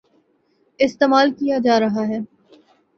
استعمال کیا جارہا ہے ۔